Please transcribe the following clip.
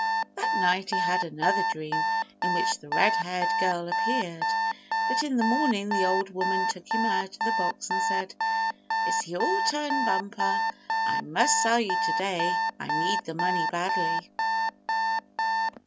That night he had another dream in which the red haired girl appeared; but in the morning the old woman took him out of the box, and said: "It's your turn, Bumper. I must sell you to day. I need the money badly."